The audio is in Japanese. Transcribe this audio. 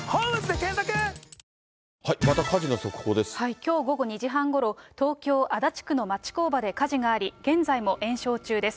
きょう午後２時半ごろ、東京・足立区の町工場で火事があり、現在も延焼中です。